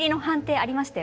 ありました。